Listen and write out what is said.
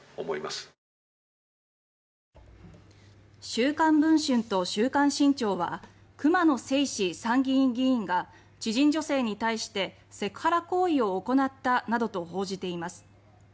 週刊文春と週刊新潮は熊野正士参議院議員が知人女性に対してセクハラ行為を行ったなどと報じています。